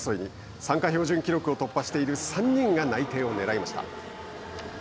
参加標準記録を突破している３人が内定をねらいました。